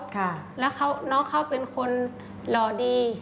ค่ะแล้วน้องเขาเป็นคนหล่อดี